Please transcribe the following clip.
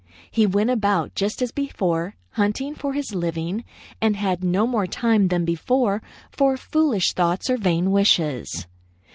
He went about just as before, hunting for his living, and had no more time than before for foolish thoughts or vain wishes.